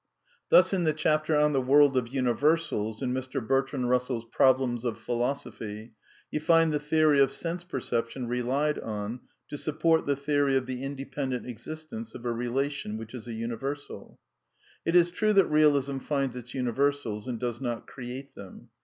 (Thus in the chapter on " The World of Universals" in Mr. Bertrand Bussell's Pro6 lems of Philosophy, you find the theory of sense percep l tion relied on to support the theory of the independent! existence of a relation which is a universal.) It is true that Bealism finds its universals and does not create them.